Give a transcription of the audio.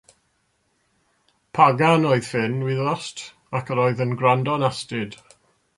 Pagan oedd Ffinn, wyddost, ac yr oedd yn gwrando'n astud.